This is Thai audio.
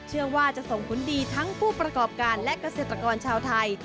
เชื่อว่าจะส่งผลดีทั้งผู้ประกอบการและเกษตรกรชาวไทย